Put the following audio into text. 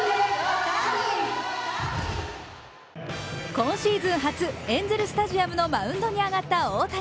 今シーズン初、エンゼル・スタジアムのマウンドに上がった大谷。